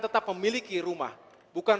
tetap memiliki rumah bukan